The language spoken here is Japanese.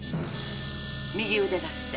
右腕出して。